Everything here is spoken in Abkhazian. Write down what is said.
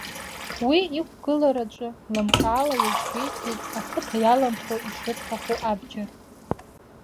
Уи иқәгылараҿы лымкаала иазгәеиҭеит ақыҭа иаланхо ишырҭаху абџьар.